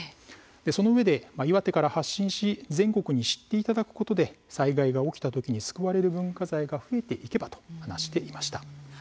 そのうえで岩手から発信し全国に知っていただくことで災害が起きた時に救われる文化財が増えていけばと話していました。